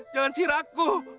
jangan siir aku